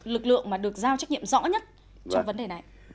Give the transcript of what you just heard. lực lượng mà được giao trách nhiệm rõ nhất cho vấn đề này